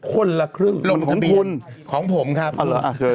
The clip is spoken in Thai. คนละครึ่งของคุณของผมครับเอาละอะเชิญ